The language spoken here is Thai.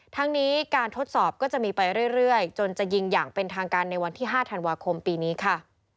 ทั้งนี้การทดสอบก็จะมีไปเรื่อยจนจะยิงอย่างเป็นทางการในวันที่๕ธันวาคมปีนี้ค่ะ